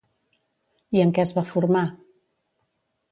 I en què es va formar?